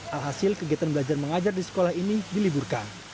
alhasil kegiatan belajar mengajar di sekolah ini diliburkan